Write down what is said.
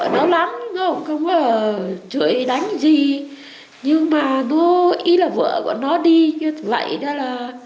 nhưng mà nó ý là vợ của nó đi như vậy đó là